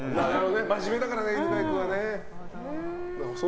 真面目だからね、犬飼君は。